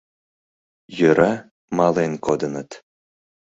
Йӧра, мален кодыныт.